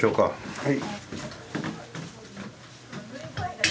はい。